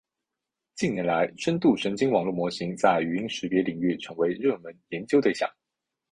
近年来，深度神经网络模型在语音识别领域成为热门研究对象。